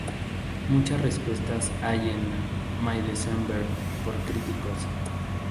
Muchas respuestas hay en "My December" por críticos.